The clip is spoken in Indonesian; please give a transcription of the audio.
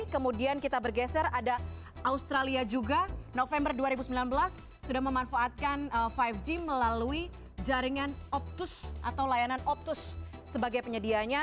kemudian kita bergeser ada australia juga november dua ribu sembilan belas sudah memanfaatkan lima g melalui jaringan optus atau layanan optus sebagai penyedianya